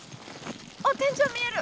あっ天井見える！